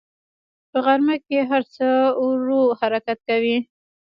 په غرمه کې هر څه ورو حرکت کوي